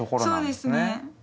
そうですね。